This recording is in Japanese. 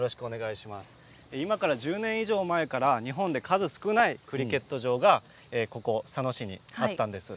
今から１０年以上前から日本で数少ないクリケット場がここ佐野市にあったんです。